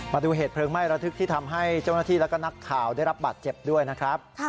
มาดูเหตุเพลิงไหม้ระทึกที่ทำให้เจ้าหน้าที่และก็นักข่าวได้รับบาดเจ็บด้วยนะครับ